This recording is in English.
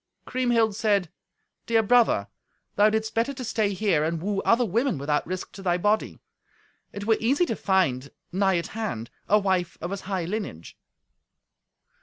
Kriemhild said, "Dear brother, thou didst better to stay here and woo other women without risk to thy body. It were easy to find, nigh at hand, a wife of as high lineage."